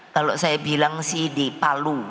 kalau saya bilang sih di palu